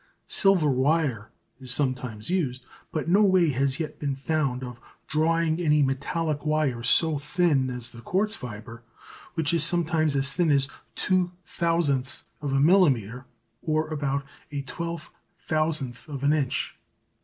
Silver wire is sometimes used, but no way has yet been found of drawing any metallic wire so thin as the quartz fibre, which is sometimes as thin as two thousandths of a millimetre, or about a twelve thousandth of an inch.